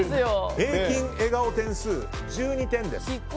平均笑顔点数１２点です。